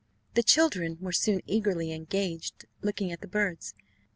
The children were soon eagerly engaged looking at the birds.